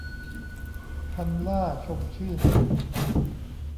คำหล้า ชมชื่น